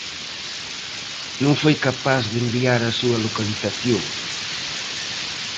Non foi capaz de enviar a súa localización.